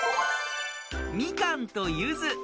みかんとゆず。